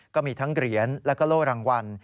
ก็มีทั้งเหรียญแล้วก็โล่รางวัล